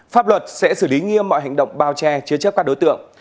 pháp luật sẽ xử lý nghiêm mọi hành động bao che chứa chấp các đối tượng